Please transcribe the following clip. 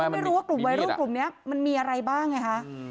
ใช่ผมไม่รู้กลุ่มไวรูปนี้มันมีอะไรบ้างนะคะ